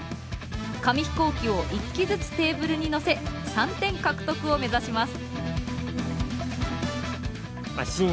紙ヒコーキを１機ずつテーブルにのせ３点獲得を目指します。